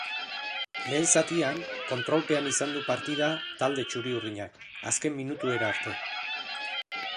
Lehen zatian kontrolpean izan du partida talde txuri-urdinak azken minutuera arte.